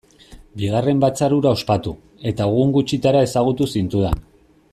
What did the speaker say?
Bigarren batzar hura ospatu, eta egun gutxitara ezagutu zintudan.